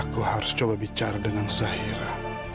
aku harus coba bicara dengan zahira